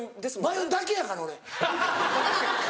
倍音だけやから俺。